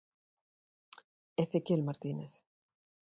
Ezequiel Martínez.